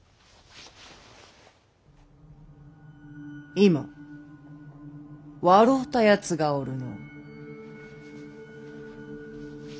今笑うたやつがおるの。